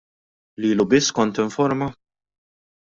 Lilu biss kont tinforma?